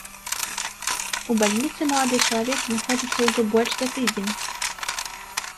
У бальніцы малады чалавек знаходзіцца ўжо больш за тыдзень.